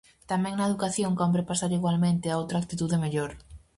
Tamén na educación cómpre pasar igualmente a outra actitude mellor.